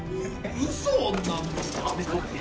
ウソなんですか？